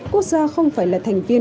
quốc gia không phải là thành viên